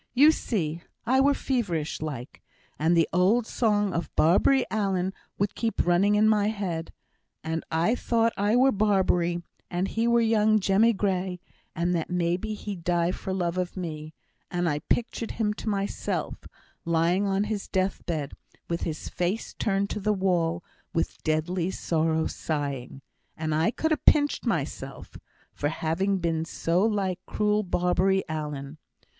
You see, I were feverish like; and the old song of Barbary Allen would keep running in my head, and I thought I were Barbary, and he were young Jemmy Gray, and that maybe he'd die for love of me; and I pictured him to mysel', lying on his death bed, with his face turned to the wall, 'wi' deadly sorrow sighing,' and I could ha' pinched mysel' for having been so like cruel Barbary Allen.